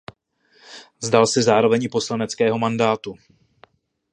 Vzdal se zároveň i poslaneckého mandátu.